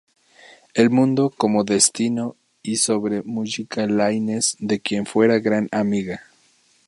El mundo como destino– y sobre Mujica Láinez, de quien fuera gran amiga.